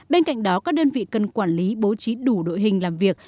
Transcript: bên cạnh đó các đơn vị cần quản lý bố trí đủ đội hình làm việc